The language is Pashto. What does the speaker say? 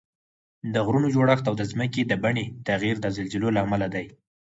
د غرونو جوړښت او د ځمکې د بڼې تغییر د زلزلو له امله دي